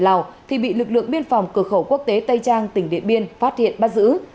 lào thì bị lực lượng biên phòng cửa khẩu quốc tế tây trang tỉnh điện biên phát hiện bắt giữ